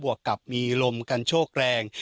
วกกับมีลมกันโชคแรง